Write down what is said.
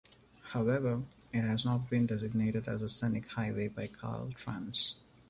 However, it has not been designated as a scenic highway by Caltrans.